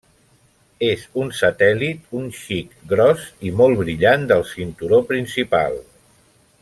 És un satèl·lit un xic gros i molt brillant del cinturó principal.